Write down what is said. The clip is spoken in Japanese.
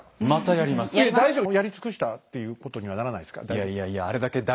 やり尽くしたということにはならないですか大丈夫？